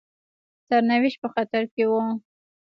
سرنوشت په خطر کې وو.